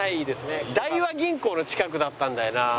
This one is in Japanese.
大和銀行の近くだったんだよな。